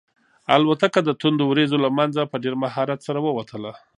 الوتکه د توندو وریځو له منځه په ډېر مهارت سره ووتله.